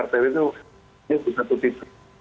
sekarang kita akan